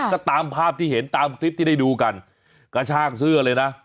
ก็ตามภาพที่เห็นตามคลิปที่ได้ดูกันกระชากเสื้อเลยนะ